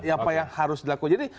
apa yang harus dilakukan